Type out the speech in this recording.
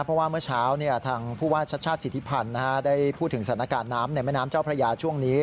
เพราะว่าเมื่อเช้าทางผู้ว่าชาติชาติสิทธิพันธ์ได้พูดถึงสถานการณ์น้ำในแม่น้ำเจ้าพระยาช่วงนี้